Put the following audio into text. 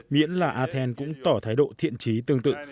miễn là athens cũng tỏ thái độ thiện trí tương tự